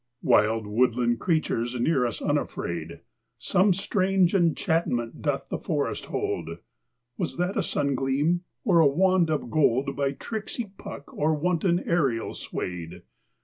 Wild woodland creatures near us unafraid, Some strange enchantment doth the forest hold Was that a sungleam, or a wand of gold By tricksy Puck or wanton Ariel swayed?